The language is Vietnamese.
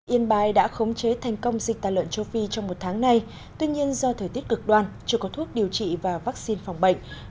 yên bái đã khống chế thành công dịch tà lợn châu phi trong một tháng nay tuy nhiên do thời tiết cực đoan chưa có thuốc điều trị và vaccine phòng bệnh